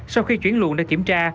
sau khi chuyển luồng để kiểm tra